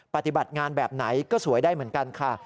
ปฏิบัติงานแบบไหนก็สวยได้เหมือนกันค่ะ